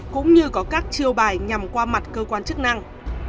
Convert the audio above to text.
cũng như có các chiêu bài nhằm qua mặt cơ quan chức năng